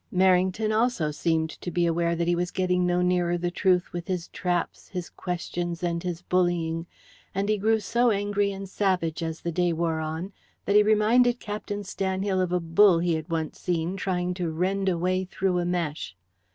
Merrington also seemed to be aware that he was getting no nearer the truth with his traps, his questions, and his bullying, and he grew so angry and savage as the day wore on that he reminded Captain Stanhill of a bull he had once seen trying to rend a way through a mesh.